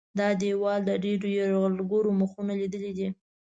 دا دیوالونه د ډېرو یرغلګرو مخونه لیدلي دي.